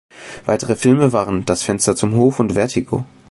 Weitere Filme waren "Das Fenster zum Hof" und "Vertigo".